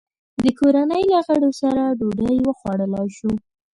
د کورنۍ له غړو سره ډوډۍ وخوړلای شو.